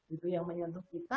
itu yang menyentuh kita